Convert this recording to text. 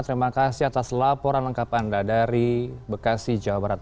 terima kasih atas laporan lengkap anda dari bekasi jawa barat